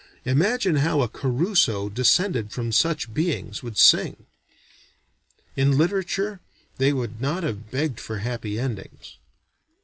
Imagine how a Caruso descended from such beings would sing. In literature they would not have begged for happy endings.